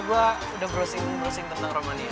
gue udah browsing browsing tentang romani